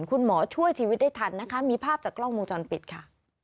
คุณหมอช่วยชีวิตได้ทันนะคะมีภาพจากกล้องวงจรปิดค่ะ